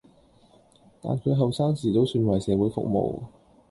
但佢後生時都算為社會服務